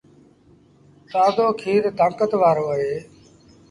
تآزو کير تآݩڪت وآرو اهي۔